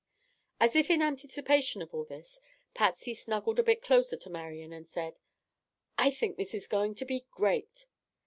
As if in anticipation of all this, Patsy snuggled a bit closer to Marian and said: "I think this is going to be great!"